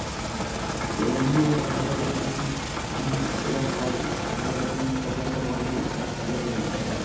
O‘ylayman-u, bu savollarga javob ham aynan ular qoldirgan kitoblarda borligini anglayman.